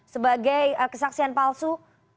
sebagai kesaksian palsu